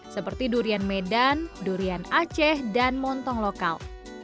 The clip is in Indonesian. seperti durian medan durian aceh dan montong lokal